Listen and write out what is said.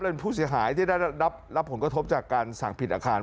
เป็นผู้เสียหายที่ได้รับผลกระทบจากการสั่งผิดอาคาร